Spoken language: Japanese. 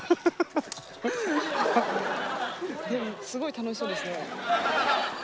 でもすごい楽しそうですね。